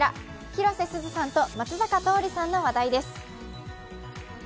広瀬すずさんと松坂桃李さんの話題です。